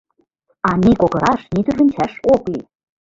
А ни кокыраш, ни тӱрвынчаш ок лий!